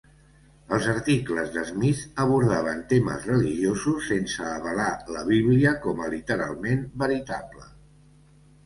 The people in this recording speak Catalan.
Els articles de Smith abordaven temes religiosos sense avalar la Bíblia com a literalment veritable.